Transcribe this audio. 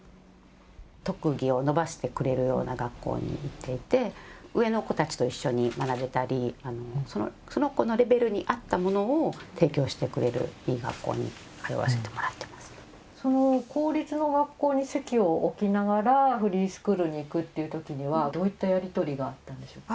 特技を伸ばしてくれるような学校に行っていて、上の子たちと一緒に学べたり、その子のレベルに合ったものを提供してくれるいい学校に通わせてその公立の学校に籍を置きながら、フリースクールに行くっていうときには、どういったやり取りがあったんでしょうか。